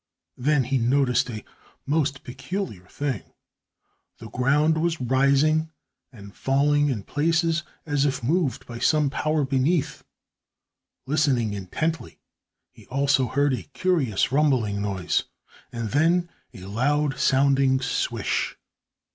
Then he noticed a most peculiar thing. The ground was rising and falling in places as if moved by some power beneath. Listening intently, he also heard a curious rumbling noise, and then a loud sounding swish.